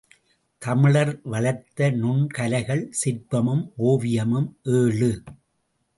தமிழர் வளர்த்த நுண் கலைகள் சிற்பமும் ஓவியமும் ஏழு.